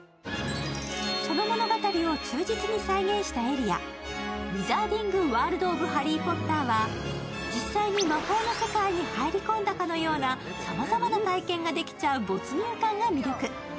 その物語を忠実に再現したエリア、ウィザーディング・ワールド・オブ・ハリー・ポッターは、実際に魔法の世界に入り込んだかのようなさまざまな体験ができちゃう没入感が魅力。